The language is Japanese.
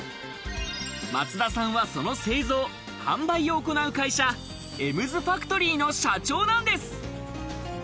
松田さんは、その製造・販売を行う会社エムズファクトリーの社長なんです。